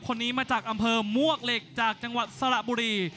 คนนี้มาจากอำเภอมวกเหล็กจากจังหวัดสระบุรี